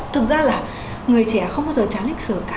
thực ra là người trẻ không bao giờ chán lịch sử cả